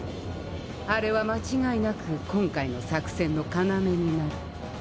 あれは間違いなく今回の作戦の要になる。